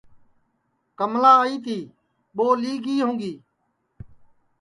کملا آئی تی ٻو لی گی ہؤں گی